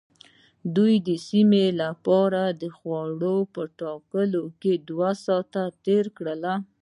دوی د سپي لپاره د خوړو په ټاکلو دوه ساعته تیر کړل